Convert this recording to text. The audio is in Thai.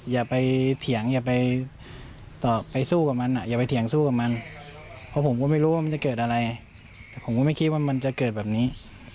อย่าไปเถียงอย่าไปต่อไปสู้กับมันอย่าไปเถียงสู้กับมันเพราะผมก็ไม่รู้ว่ามันจะเกิดอะไรแต่ผมก็ไม่คิดว่ามันจะเกิดแบบนี้